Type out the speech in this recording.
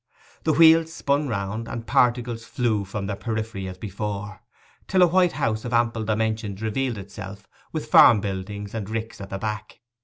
The wheels spun round, and particles flew from their periphery as before, till a white house of ample dimensions revealed itself, with farm buildings and ricks at the back.